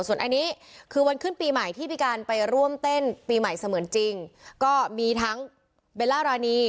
ส่วนอันนี้คือวันขึ้นปีใหม่ที่พี่การไปร่วมเต้นปีใหม่เสมือนจริงก็มีทั้งเบลล่ารานี